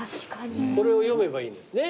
これを読めばいいんですね？